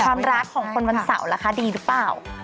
ความรักของคนวันเสาร์ล่ะคะดีหรือเปล่า